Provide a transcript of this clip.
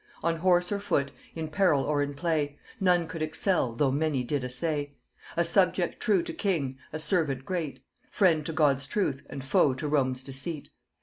On horse or foot, in peril or in play, None could excel, though many did essay. A subject true to king, a servant great, Friend to God's truth, and foe to Rome's deceit.